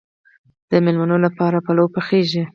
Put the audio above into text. د میلمنو لپاره پلو پخیږي.